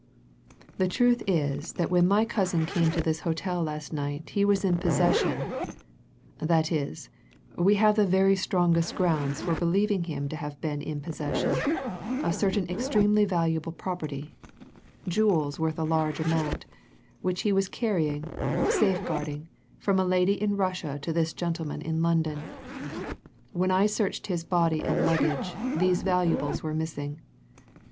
The truth is that when my cousin came to this hotel last night he was in possession that is, we have the very strongest grounds for believing him to have been in possession of certain extremely valuable property jewels worth a large amount which he was carrying, safeguarding, from a lady in Russia to this gentleman in London. When I searched his body and luggage, these valuables were missing.